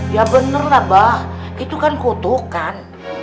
iya mbak itu kan kotokan